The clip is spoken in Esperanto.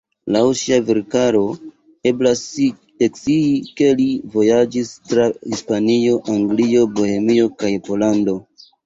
Laŭ sia verkaro eblas ekscii ke li vojaĝis tra Hispanio, Anglio, Bohemio kaj Pollando.